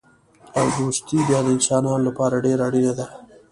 او دوستي بیا د انسانانو لپاره ډېره اړینه ده.